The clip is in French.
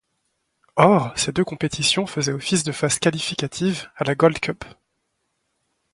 Or ces deux compétitions faisaient office de phases qualificatives à la Gold Cup.